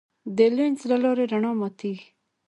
د لینز له لارې رڼا ماتېږي.